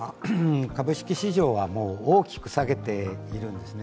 株式市場は大きく下げているんですね。